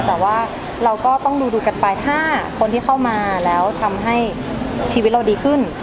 แต่ว่าเราก็ต้องดูกันไปถ้าคนที่เข้ามาแล้วทำให้ชีวิตเราดีขึ้น